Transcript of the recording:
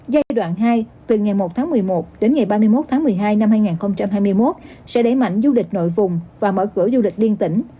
giai đoạn hai từ ngày một tháng một mươi một đến ngày ba mươi một tháng một mươi hai năm hai nghìn hai mươi một sẽ đẩy mạnh du lịch nội vùng và mở cửa du lịch liên tỉnh